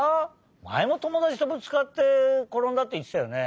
まえもともだちとぶつかってころんだっていってたよね。